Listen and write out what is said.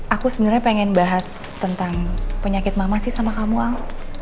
aku sebenernya pengen bahas tentang penyakit mama sih sama kamu al